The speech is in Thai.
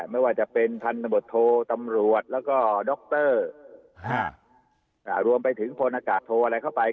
ไม่ว่าจะเป็นพันธุ์บทโทตำรวจแล้วก็ด็อกเตอร์หรือรวมไปถึงโพนากาศโทอะไรเข้าไป